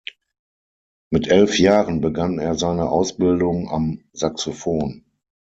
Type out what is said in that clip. Mit elf Jahren begann er seine Ausbildung am Saxophon.